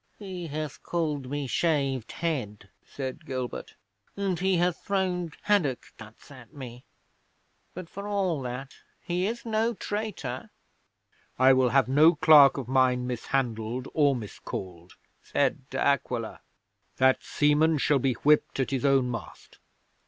'"He hath called me shaved head," said Gilbert, "and he hath thrown haddock guts at me; but for all that, he is no traitor." '"I will have no clerk of mine mishandled or miscalled," said De Aquila. "That seaman shall be whipped at his own mast.